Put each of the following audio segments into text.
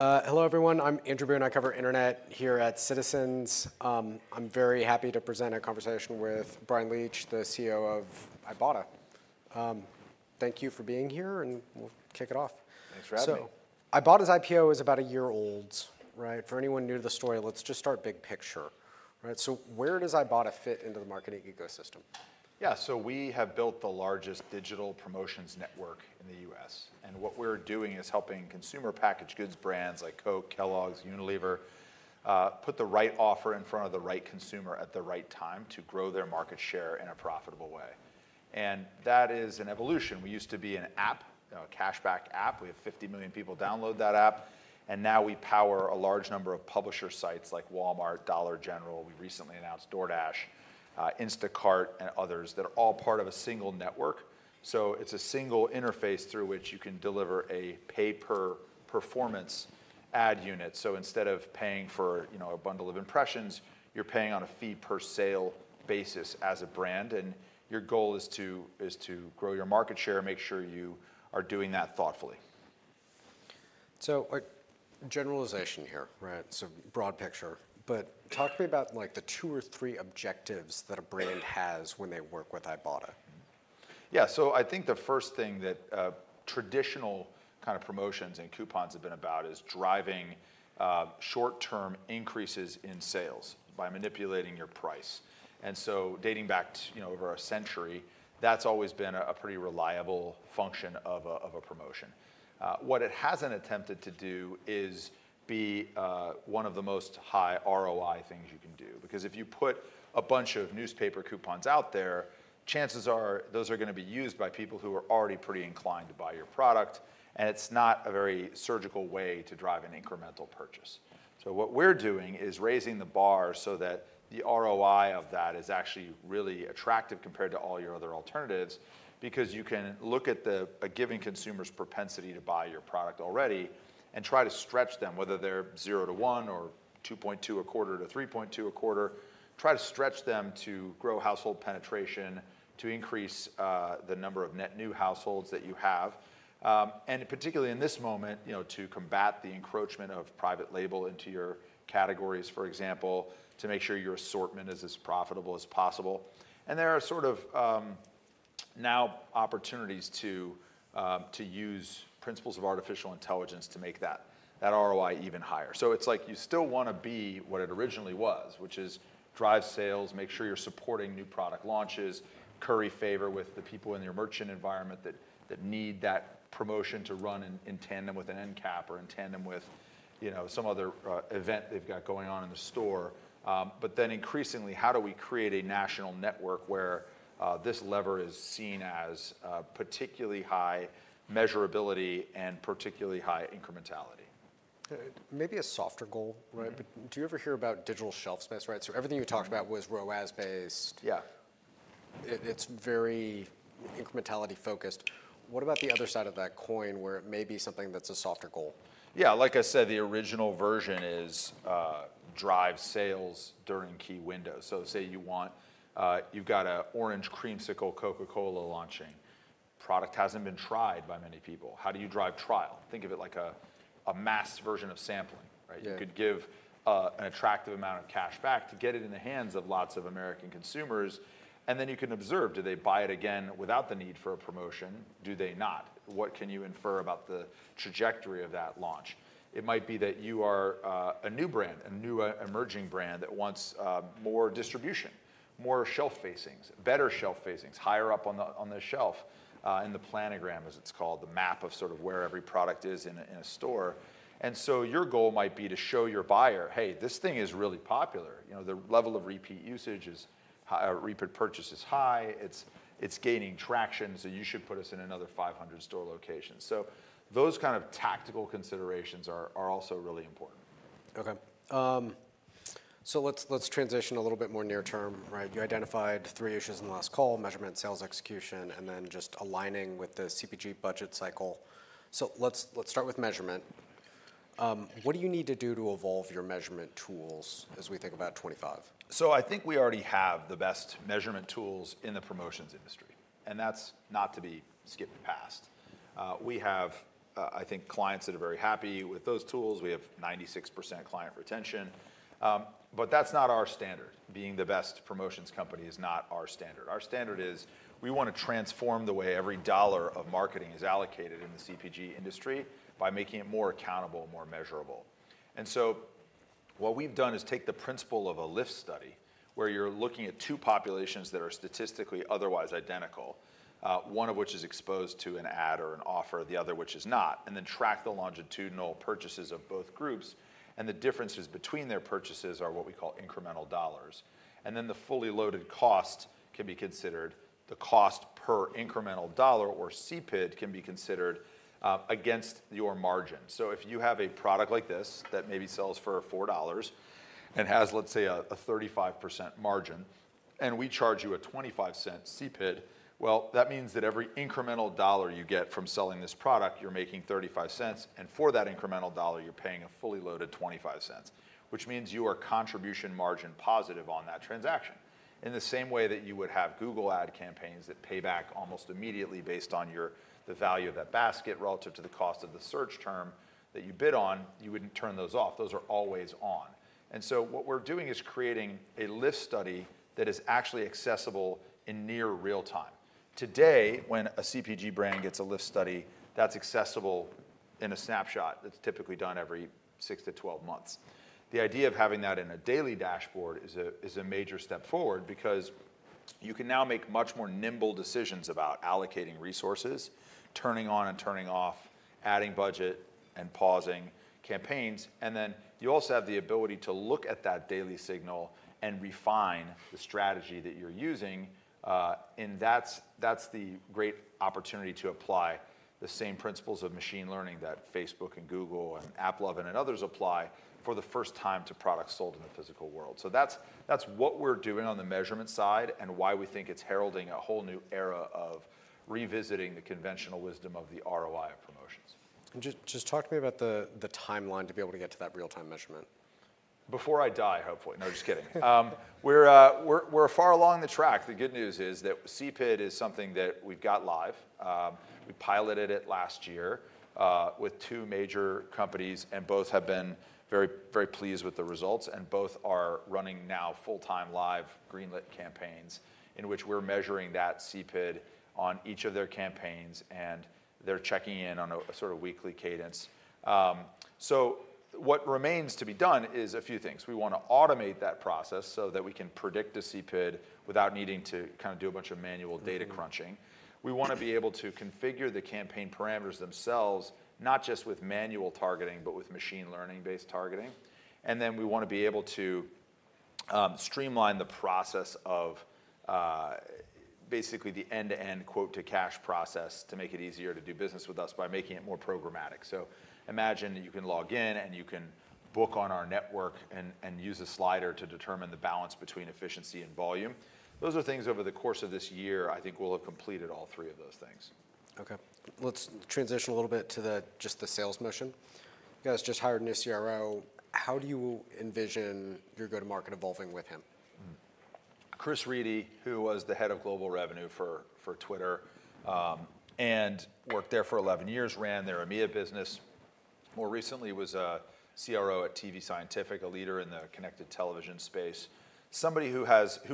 Hello, everyone. I'm Andrew Boone. I cover internet here at Citizens. I'm very happy to present a conversation with Bryan Leach, the CEO of Ibotta. Thank you for being here, and we'll kick it off. Thanks for having me. Ibotta's IPO is about a year old, right? For anyone new to the story, let's just start big picture. Where does Ibotta fit into the marketing ecosystem? Yeah, we have built the largest digital promotions network in the U.S. What we're doing is helping consumer packaged goods brands like Coke, Kellogg's, Unilever put the right offer in front of the right consumer at the right time to grow their market share in a profitable way. That is an evolution. We used to be an app, a cash-back app. We have 50 million people download that app. Now we power a large number of publisher sites like Walmart, Dollar General. We recently announced DoorDash, Instacart, and others that are all part of a single network. It is a single interface through which you can deliver a pay-per-performance ad unit. Instead of paying for a bundle of impressions, you're paying on a fee-per-sale basis as a brand. Your goal is to grow your market share and make sure you are doing that thoughtfully. Generalization here, right? Broad picture. Talk to me about the two or three objectives that a brand has when they work with Ibotta. Yeah, so I think the first thing that traditional kind of promotions and coupons have been about is driving short-term increases in sales by manipulating your price. Dating back over a century, that's always been a pretty reliable function of a promotion. What it hasn't attempted to do is be one of the most high ROI things you can do. Because if you put a bunch of newspaper coupons out there, chances are those are going to be used by people who are already pretty inclined to buy your product. It's not a very surgical way to drive an incremental purchase. What we're doing is raising the bar so that the ROI of that is actually really attractive compared to all your other alternatives. Because you can look at the given consumer's propensity to buy your product already and try to stretch them, whether they're 0 to 1 or 2.2 a quarter to 3.2 a quarter, try to stretch them to grow household penetration, to increase the number of net new households that you have. Particularly in this moment, to combat the encroachment of private label into your categories, for example, to make sure your assortment is as profitable as possible. There are sort of now opportunities to use principles of artificial intelligence to make that ROI even higher. It's like you still want to be what it originally was, which is drive sales, make sure you're supporting new product launches, curry favor with the people in your merchant environment that need that promotion to run in tandem with an endcap or in tandem with some other event they've got going on in the store. Then increasingly, how do we create a national network where this lever is seen as particularly high measurability and particularly high incrementality? Maybe a softer goal, right? Do you ever hear about digital shelf space, right? So everything you talked about was ROAS-based. Yeah. It's very incrementality-focused. What about the other side of that coin where it may be something that's a softer goal? Yeah, like I said, the original version is drive sales during key windows. Say you've got an Orange Creamsicle Coca-Cola launching. Product hasn't been tried by many people. How do you drive trial? Think of it like a mass version of sampling. You could give an attractive amount of cash back to get it in the hands of lots of American consumers. You can observe, do they buy it again without the need for a promotion? Do they not? What can you infer about the trajectory of that launch? It might be that you are a new brand, a new emerging brand that wants more distribution, more shelf facings, better shelf facings, higher up on the shelf, in the planogram, as it's called, the map of sort of where every product is in a store. Your goal might be to show your buyer, hey, this thing is really popular. The level of repeat usage is high. Repeat purchase is high. It's gaining traction. You should put us in another 500 store locations. Those kind of tactical considerations are also really important. OK. Let's transition a little bit more near term, right? You identified three issues in the last call: measurement, sales execution, and then just aligning with the CPG budget cycle. Let's start with measurement. What do you need to do to evolve your measurement tools as we think about 2025? I think we already have the best measurement tools in the promotions industry. That is not to be skipped past. We have, I think, clients that are very happy with those tools. We have 96% client retention. That is not our standard. Being the best promotions company is not our standard. Our standard is we want to transform the way every dollar of marketing is allocated in the CPG industry by making it more accountable, more measurable. What we have done is take the principle of a lift study where you are looking at two populations that are statistically otherwise identical, one of which is exposed to an ad or an offer, the other which is not, and then track the longitudinal purchases of both groups. The differences between their purchases are what we call incremental dollars. The fully loaded cost can be considered. The cost per incremental dollar or CPID can be considered against your margin. So if you have a product like this that maybe sells for $4 and has, let's say, a 35% margin, and we charge you a $0.25 CPID, that means that every incremental dollar you get from selling this product, you're making $0.35. And for that incremental dollar, you're paying a fully loaded $0.25, which means you are contribution margin positive on that transaction. In the same way that you would have Google ad campaigns that pay back almost immediately based on the value of that basket relative to the cost of the search term that you bid on, you wouldn't turn those off. Those are always on. What we're doing is creating a lift study that is actually accessible in near real time. Today, when a CPG brand gets a lift study, that's accessible in a snapshot. That's typically done every 6 to 12 months. The idea of having that in a daily dashboard is a major step forward because you can now make much more nimble decisions about allocating resources, turning on and turning off, adding budget, and pausing campaigns. You also have the ability to look at that daily signal and refine the strategy that you're using. That's the great opportunity to apply the same principles of machine learning that Facebook and Google and AppLovin and others apply for the first time to products sold in the physical world. That's what we're doing on the measurement side and why we think it's heralding a whole new era of revisiting the conventional wisdom of the ROI of promotions. Just talk to me about the timeline to be able to get to that real-time measurement. Before I die, hopefully. No, just kidding. We're far along the track. The good news is that CPID is something that we've got live. We piloted it last year with two major companies, and both have been very pleased with the results. Both are running now full-time live greenlit campaigns in which we're measuring that CPID on each of their campaigns. They're checking in on a sort of weekly cadence. What remains to be done is a few things. We want to automate that process so that we can predict a CPID without needing to kind of do a bunch of manual data crunching. We want to be able to configure the campaign parameters themselves, not just with manual targeting, but with machine learning-based targeting. We want to be able to streamline the process of basically the end-to-end quote-to-cash process to make it easier to do business with us by making it more programmatic. Imagine that you can log in, and you can book on our network and use a slider to determine the balance between efficiency and volume. Those are things over the course of this year, I think, we'll have completed all three of those things. OK. Let's transition a little bit to just the sales mission. You guys just hired a new CRO. How do you envision your go-to-market evolving with him? Chris Riedy, who was the head of global revenue for Twitter and worked there for 11 years, ran their EMEA business. More recently, he was a CRO at tvScientific, a leader in the connected television space. Somebody who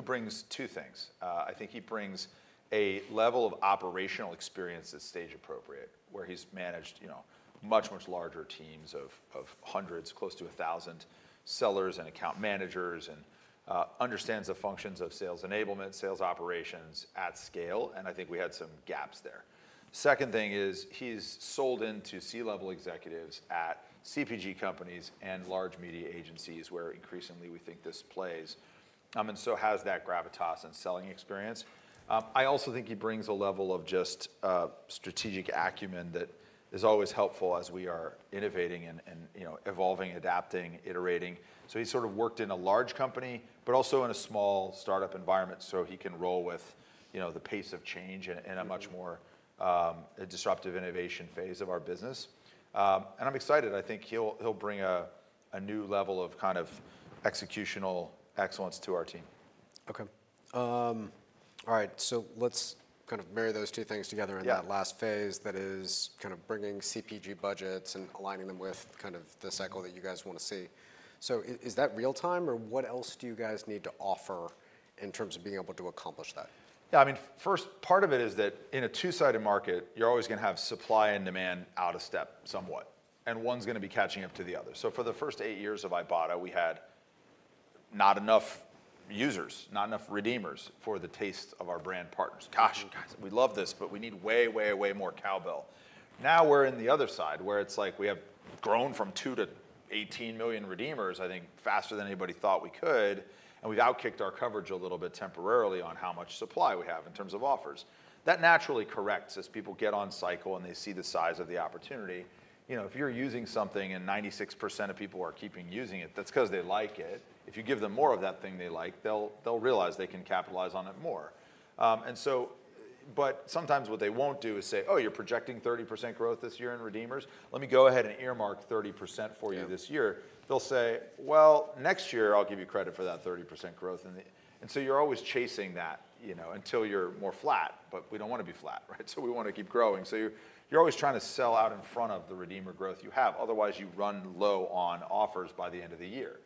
brings two things. I think he brings a level of operational experience that's stage-appropriate, where he's managed much, much larger teams of hundreds, close to 1,000 sellers and account managers, and understands the functions of sales enablement, sales operations at scale. I think we had some gaps there. Second thing is he's sold into C-level executives at CPG companies and large media agencies, where increasingly we think this plays. He has that gravitas and selling experience. I also think he brings a level of just strategic acumen that is always helpful as we are innovating and evolving, adapting, iterating. He’s sort of worked in a large company, but also in a small startup environment so he can roll with the pace of change and a much more disruptive innovation phase of our business. I’m excited. I think he’ll bring a new level of kind of executional excellence to our team. OK. All right. Let's kind of marry those two things together in that last phase that is kind of bringing CPG budgets and aligning them with kind of the cycle that you guys want to see. Is that real time, or what else do you guys need to offer in terms of being able to accomplish that? Yeah, I mean, first part of it is that in a two-sided market, you're always going to have supply and demand out of step somewhat. One's going to be catching up to the other. For the first eight years of Ibotta, we had not enough users, not enough redeemers for the taste of our brand partners. Gosh, we love this, but we need way, way, way more cowbell. Now we're in the other side, where it's like we have grown from 2 to 18 million redeemers, I think, faster than anybody thought we could. We've outkicked our coverage a little bit temporarily on how much supply we have in terms of offers. That naturally corrects as people get on cycle and they see the size of the opportunity. If you're using something and 96% of people are keeping using it, that's because they like it. If you give them more of that thing they like, they'll realize they can capitalize on it more. So, but Sometimes what they won't do is say, oh, you're projecting 30% growth this year in redeemers. Let me go ahead and earmark 30% for you this year. They'll say, next year I'll give you credit for that 30% growth. You are always chasing that until you're more flat. We don't want to be flat, right? We want to keep growing. You are always trying to sell out in front of the redeemer growth you have. Otherwise, you run low on offers by the end of the year.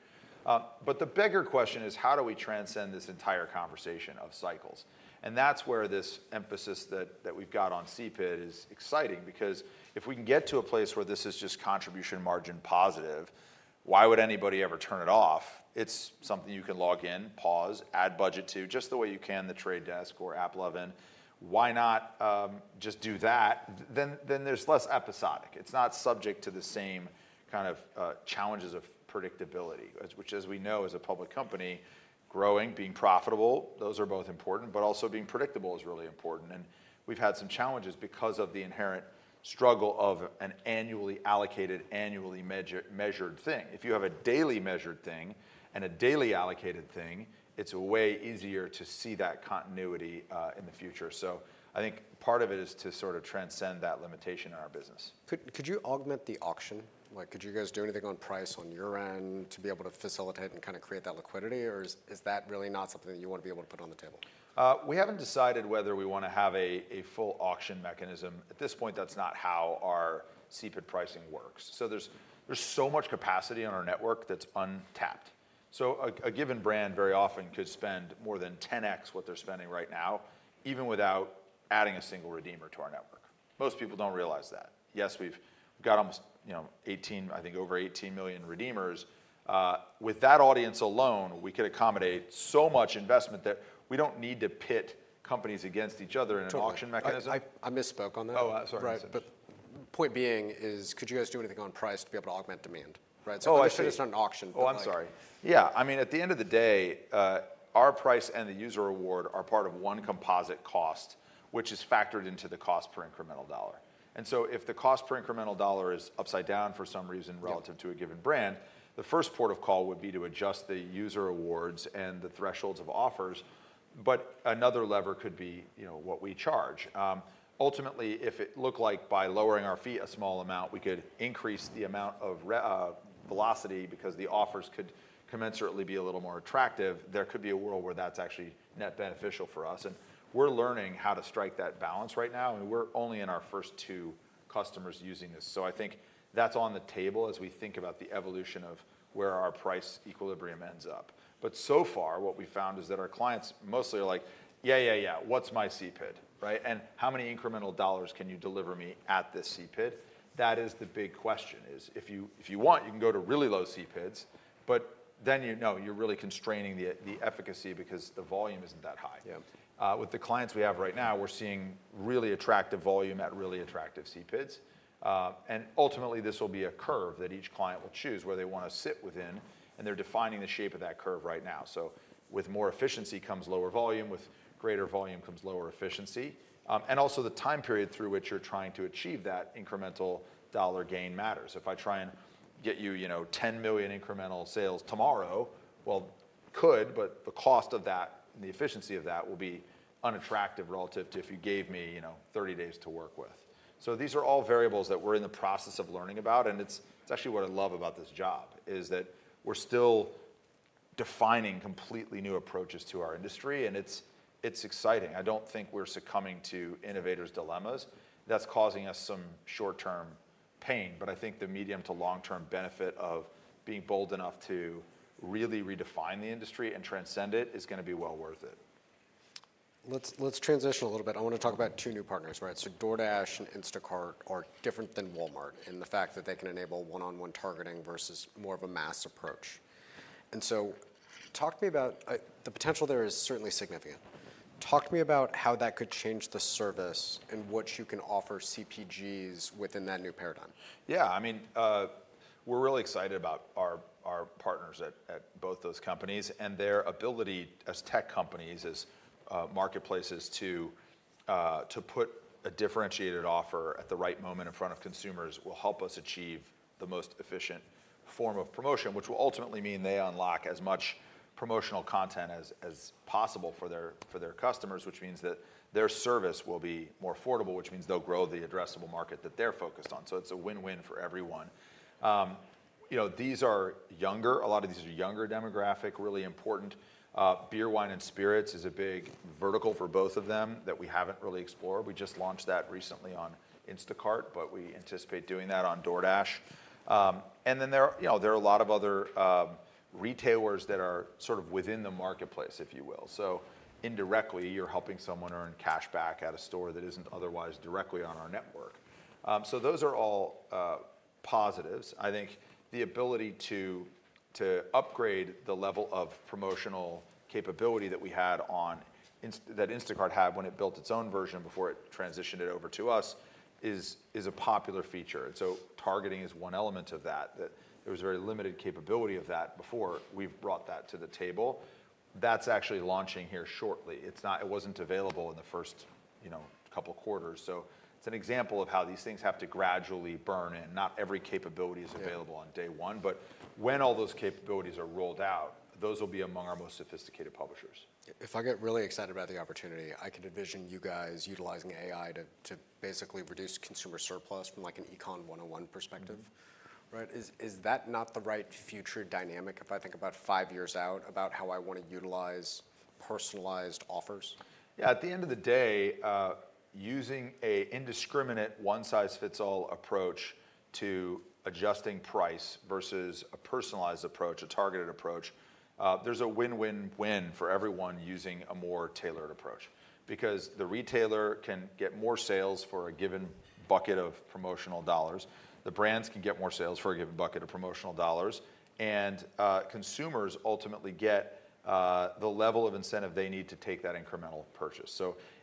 The bigger question is, how do we transcend this entire conversation of cycles? That is where this emphasis that we've got on CPID is exciting. Because if we can get to a place where this is just contribution margin positive, why would anybody ever turn it off? It's something you can log in, pause, add budget to, just the way you can The Trade Desk or AppLovin. Why not just do that? There is less episodic. It's not subject to the same kind of challenges of predictability, which, as we know, as a public company, growing, being profitable, those are both important. Also, being predictable is really important. We've had some challenges because of the inherent struggle of an annually allocated, annually measured thing. If you have a daily measured thing and a daily allocated thing, it's way easier to see that continuity in the future. I think part of it is to sort of transcend that limitation in our business. Could you augment the auction? Could you guys do anything on price on your end to be able to facilitate and kind of create that liquidity? Or is that really not something that you want to be able to put on the table? We haven't decided whether we want to have a full auction mechanism. At this point, that's not how our CPID pricing works. There is so much capacity on our network that's untapped. A given brand very often could spend more than 10x what they're spending right now, even without adding a single redeemer to our network. Most people don't realize that. Yes, we've got almost 18, I think over 18 million redeemers. With that audience alone, we could accommodate so much investment that we don't need to pit companies against each other in an auction mechanism. I misspoke on that. Oh, sorry. Point being is, could you guys do anything on price to be able to augment demand? Oh, I should. It's not an auction. Oh, I'm sorry. Yeah, I mean, at the end of the day, our price and the user award are part of one composite cost, which is factored into the cost per incremental dollar. If the cost per incremental dollar is upside down for some reason relative to a given brand, the first port of call would be to adjust the user awards and the thresholds of offers. Another lever could be what we charge. Ultimately, if it looked like by lowering our fee a small amount, we could increase the amount of velocity because the offers could commensurately be a little more attractive, there could be a world where that's actually net beneficial for us. We're learning how to strike that balance right now. We're only in our first two customers using this. I think that's on the table as we think about the evolution of where our price equilibrium ends up. What we found is that our clients mostly are like, yeah, yeah, yeah, what's my CPID? And how many incremental dollars can you deliver me at this CPID? That is the big question is, if you want, you can go to really low CPIDs. Then you're really constraining the efficacy because the volume isn't that high. With the clients we have right now, we're seeing really attractive volume at really attractive CPIDs. Ultimately, this will be a curve that each client will choose where they want to sit within. They're defining the shape of that curve right now. With more efficiency comes lower volume. With greater volume comes lower efficiency. Also, the time period through which you're trying to achieve that incremental dollar gain matters. If I try and get you $10 million incremental sales tomorrow, could, but the cost of that and the efficiency of that will be unattractive relative to if you gave me 30 days to work with. These are all variables that we're in the process of learning about. It's actually what I love about this job is that we're still defining completely new approaches to our industry. It's exciting. I don't think we're succumbing to innovators' dilemmas. That's causing us some short-term pain. I think the medium to long-term benefit of being bold enough to really redefine the industry and transcend it is going to be well worth it. Let's transition a little bit. I want to talk about two new partners, right? DoorDash and Instacart are different than Walmart in the fact that they can enable one-on-one targeting versus more of a mass approach. Talk to me about the potential there is certainly significant. Talk to me about how that could change the service and what you can offer CPGs within that new paradigm. Yeah, I mean, we're really excited about our partners at both those companies. Their ability as tech companies, as marketplaces, to put a differentiated offer at the right moment in front of consumers will help us achieve the most efficient form of promotion, which will ultimately mean they unlock as much promotional content as possible for their customers, which means that their service will be more affordable, which means they'll grow the addressable market that they're focused on. It is a win-win for everyone. These are younger. A lot of these are younger demographic, really important. Beer, Wine, and Spirits is a big vertical for both of them that we haven't really explored. We just launched that recently on Instacart, but we anticipate doing that on DoorDash. There are a lot of other retailers that are sort of within the marketplace, if you will. Indirectly, you're helping someone earn cash back at a store that isn't otherwise directly on our network. Those are all positives. I think the ability to upgrade the level of promotional capability that Instacart had when it built its own version before it transitioned it over to us is a popular feature. Targeting is one element of that. There was very limited capability of that before. We've brought that to the table. That's actually launching here shortly. It wasn't available in the first couple of quarters. It's an example of how these things have to gradually burn in. Not every capability is available on day one. When all those capabilities are rolled out, those will be among our most sophisticated publishers. If I get really excited about the opportunity, I can envision you guys utilizing AI to basically reduce consumer surplus from like an Econ 101 perspective. Is that not the right future dynamic if I think about five years out about how I want to utilize personalized offers? Yeah, at the end of the day, using an indiscriminate one-size-fits-all approach to adjusting price versus a personalized approach, a targeted approach, there's a win-win-win for everyone using a more tailored approach. Because the retailer can get more sales for a given bucket of promotional dollars. The brands can get more sales for a given bucket of promotional dollars. And consumers ultimately get the level of incentive they need to take that incremental purchase.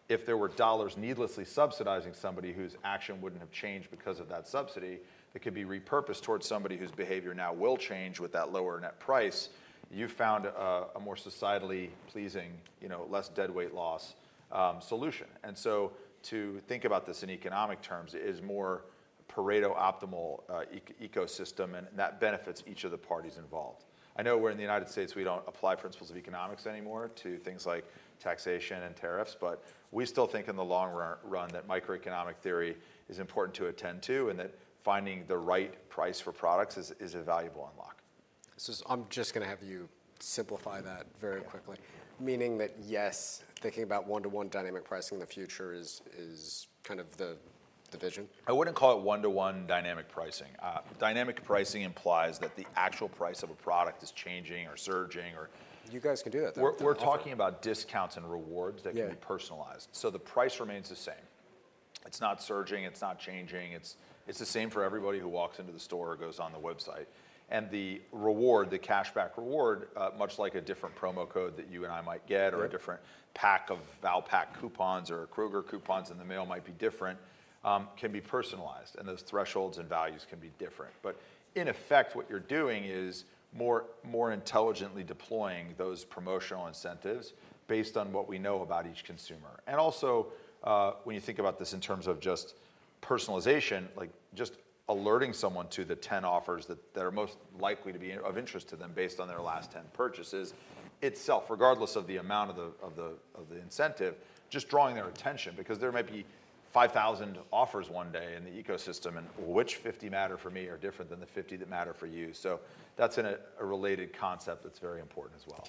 If there were dollars needlessly subsidizing somebody whose action wouldn't have changed because of that subsidy, it could be repurposed towards somebody whose behavior now will change with that lower net price, you found a more societally pleasing, less deadweight loss solution. To think about this in economic terms is more Pareto optimal ecosystem. That benefits each of the parties involved. I know we're in the U.S. We do not apply principles of economics anymore to things like taxation and tariffs. We still think in the long run that microeconomic theory is important to attend to and that finding the right price for products is a valuable unlock. I'm just going to have you simplify that very quickly. Meaning that, yes, thinking about one-to-one dynamic pricing in the future is kind of the vision? I wouldn't call it one-to-one dynamic pricing. Dynamic pricing implies that the actual price of a product is changing or surging or. You guys can do that. We're talking about discounts and rewards that can be personalized. The price remains the same. It's not surging. It's not changing. It's the same for everybody who walks into the store or goes on the website. The reward, the cash-back reward, much like a different promo code that you and I might get or a different pack of Valpak coupons or Kroger coupons in the mail might be different, can be personalized. Those thresholds and values can be different. In effect, what you're doing is more intelligently deploying those promotional incentives based on what we know about each consumer. When you think about this in terms of just personalization, like just alerting someone to the 10 offers that are most likely to be of interest to them based on their last 10 purchases itself, regardless of the amount of the incentive, just drawing their attention. Because there might be 5,000 offers one day in the ecosystem, and which 50 matter for me are different than the 50 that matter for you. That is a related concept that is very important as well.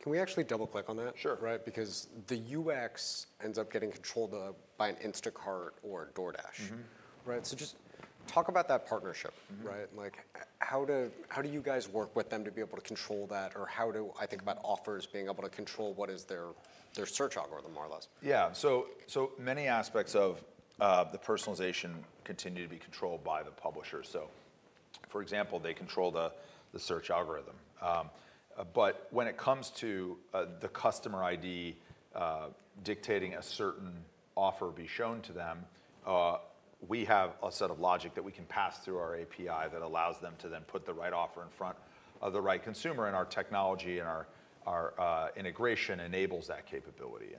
Can we actually double-click on that? Sure. Because the UX ends up getting controlled by an Instacart or DoorDash. Just talk about that partnership. How do you guys work with them to be able to control that? Or how do I think about offers being able to control what is their search algorithm, more or less? Yeah, so many aspects of the personalization continue to be controlled by the publisher. For example, they control the search algorithm. When it comes to the customer ID dictating a certain offer be shown to them, we have a set of logic that we can pass through our API that allows them to then put the right offer in front of the right consumer. Our technology and our integration enables that capability.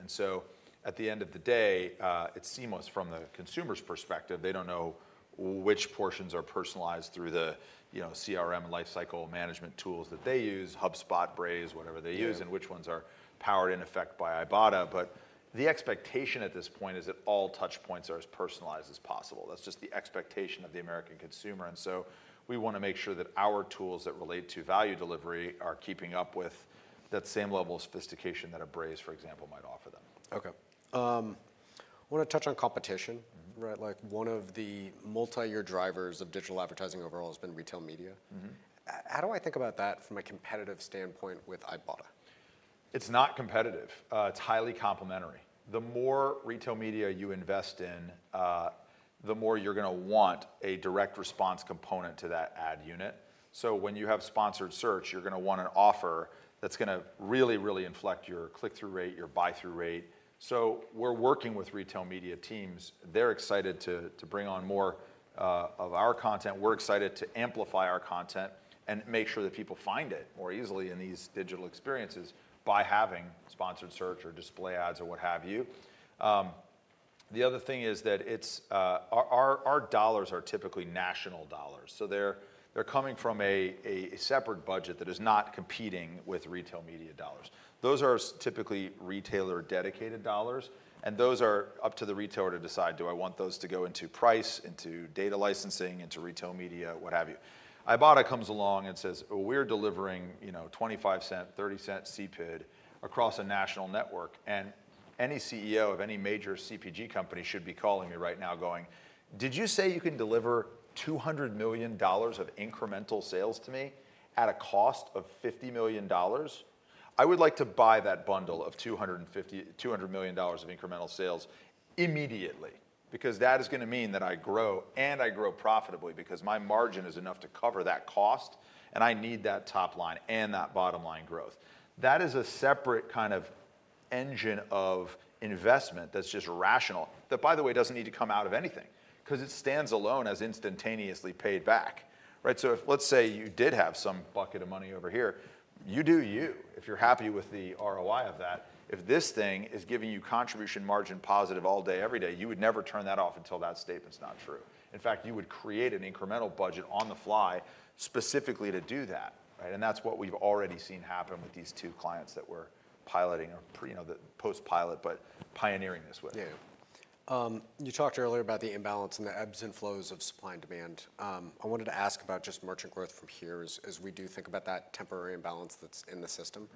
At the end of the day, it's seamless from the consumer's perspective. They don't know which portions are personalized through the CRM and lifecycle management tools that they use, HubSpot, Braze, whatever they use, and which ones are powered in effect by Ibotta. The expectation at this point is that all touch points are as personalized as possible. That's just the expectation of the American consumer. We want to make sure that our tools that relate to value delivery are keeping up with that same level of sophistication that a Braze, for example, might offer them. OK. I want to touch on competition. One of the multi-year drivers of digital advertising overall has been retail media. How do I think about that from a competitive standpoint with Ibotta? It's not competitive. It's highly complementary. The more retail media you invest in, the more you're going to want a direct response component to that ad unit. When you have sponsored search, you're going to want an offer that's going to really, really inflect your click-through rate, your buy-through rate. We're working with retail media teams. They're excited to bring on more of our content. We're excited to amplify our content and make sure that people find it more easily in these digital experiences by having sponsored search or display ads or what have you. The other thing is that our dollars are typically national dollars. They're coming from a separate budget that is not competing with retail media dollars. Those are typically retailer-dedicated dollars. Those are up to the retailer to decide, do I want those to go into price, into data licensing, into retail media, what have you? Ibotta comes along and says, we're delivering $0.25, $0.30 CPID across a national network. Any CEO of any major CPG company should be calling me right now going, did you say you can deliver $200 million of incremental sales to me at a cost of $50 million? I would like to buy that bundle of $200 million of incremental sales immediately. That is going to mean that I grow and I grow profitably because my margin is enough to cover that cost. I need that top line and that bottom line growth. That is a separate kind of engine of investment that's just rational, that, by the way, doesn't need to come out of anything because it stands alone as instantaneously paid back. Let's say you did have some bucket of money over here. You do you. If you're happy with the ROI of that, if this thing is giving you contribution margin positive all day, every day, you would never turn that off until that statement's not true. In fact, you would create an incremental budget on the fly specifically to do that. That's what we've already seen happen with these two clients that we're piloting or post-pilot, but pioneering this with. Yeah. You talked earlier about the imbalance and the ebbs and flows of supply and demand. I wanted to ask about just merchant growth from here as we do think about that temporary imbalance that's in the system.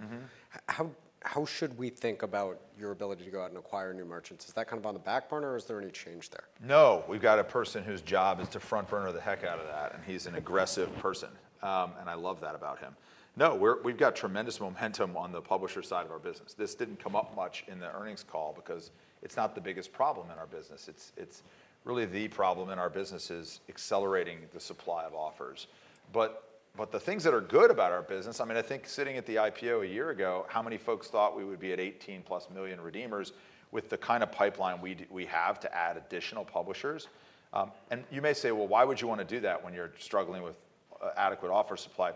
How should we think about your ability to go out and acquire new merchants? Is that kind of on the back burner? Is there any change there? No. We've got a person whose job is to front-burner the heck out of that. He's an aggressive person. I love that about him. No, we've got tremendous momentum on the publisher side of our business. This did not come up much in the earnings call because it's not the biggest problem in our business. Really, the problem in our business is accelerating the supply of offers. The things that are good about our business, I mean, I think sitting at the IPO a year ago, how many folks thought we would be at 18-plus million redeemers with the kind of pipeline we have to add additional publishers? You may say, well, why would you want to do that when you're struggling with adequate offer supply?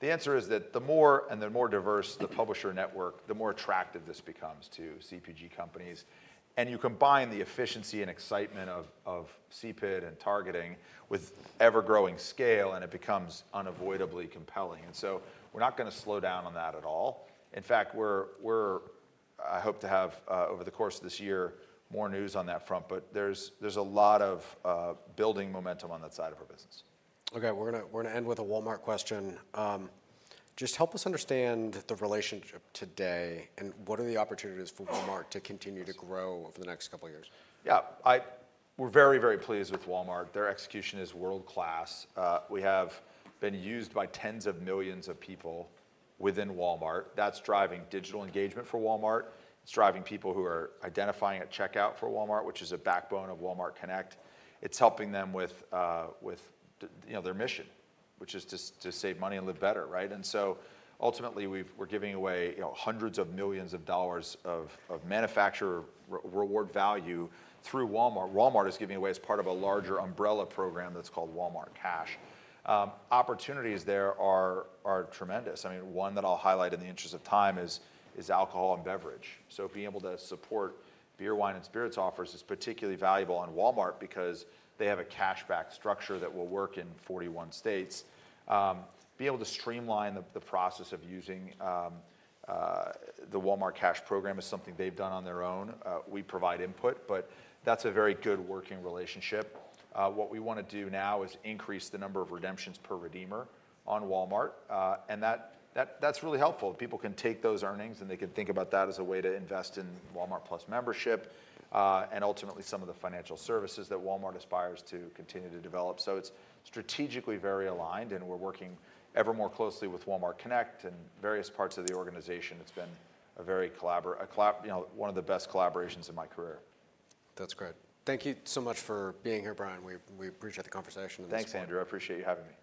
The answer is that the more and the more diverse the publisher network, the more attractive this becomes to CPG companies. You combine the efficiency and excitement of CPID and targeting with ever-growing scale, and it becomes unavoidably compelling. We are not going to slow down on that at all. In fact, I hope to have, over the course of this year, more news on that front. There is a lot of building momentum on that side of our business. OK, we're going to end with a Walmart question. Just help us understand the relationship today and what are the opportunities for Walmart to continue to grow over the next couple of years. Yeah, we're very, very pleased with Walmart. Their execution is world-class. We have been used by tens of millions of people within Walmart. That's driving digital engagement for Walmart. It's driving people who are identifying at checkout for Walmart, which is a backbone of Walmart Connect. It's helping them with their mission, which is to save money and live better. Ultimately, we're giving away hundreds of millions of dollars of manufacturer reward value through Walmart. Walmart is giving away as part of a larger umbrella program that's called Walmart Cash. Opportunities there are tremendous. I mean, one that I'll highlight in the interest of time is alcohol and beverage. Being able to support Beer, Wine, and Spirits offers is particularly valuable on Walmart because they have a cashback structure that will work in 41 states. Being able to streamline the process of using the Walmart Cash program is something they've done on their own. We provide input. That is a very good working relationship. What we want to do now is increase the number of redemptions per redeemer on Walmart. That is really helpful. People can take those earnings, and they can think about that as a way to invest in Walmart+ membership and ultimately some of the financial services that Walmart aspires to continue to develop. It is strategically very aligned. We are working ever more closely with Walmart Connect and various parts of the organization. It has been one of the best collaborations in my career. That's great. Thank you so much for being here, Bryan. We appreciate the conversation. Thanks, Andrew. I appreciate you having me.